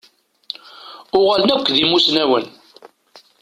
Uɣalen akk d imussnawen.